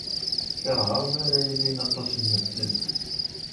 Keṛheɣ mi ara ilin aṭas n medden.